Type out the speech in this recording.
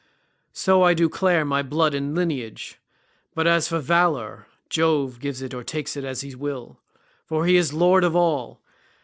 "Such do I declare my blood and lineage, but as for valour, Jove gives it or takes it as he will, for he is lord of all.